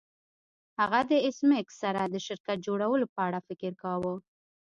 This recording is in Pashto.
هغه د ایس میکس سره د شرکت جوړولو په اړه فکر کاوه